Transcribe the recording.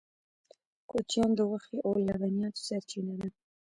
کوچیان د غوښې او لبنیاتو سرچینه ده